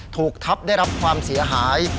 ถูกทับได้รับความเสียหาย